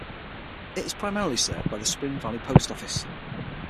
It is primarily served by the Spring Valley post office.